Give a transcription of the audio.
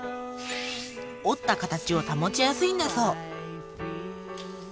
折った形を保ちやすいんだそう。